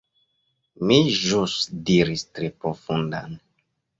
Mi ĵus diris "tre profundan."